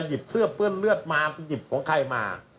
หยิบเสื้อเปื้อนเลือดมาหยิบของใครมา